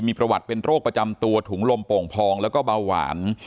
มีประวัติเป็นโรคประจำตัวถุงลมโป่งพองแล้วก็เบาหวาน